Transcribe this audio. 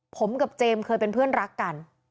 ผมกับเจมส์เคยเป็นเพื่อนรักกัน